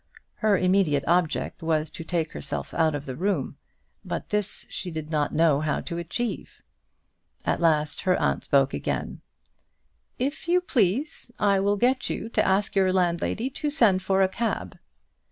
Her immediate object was to take herself out of the room, but this she did not know how to achieve. At last her aunt spoke again: "If you please, I will get you to ask your landlady to send for a cab."